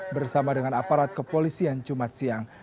bersama dengan aparat kepolisian jumat siang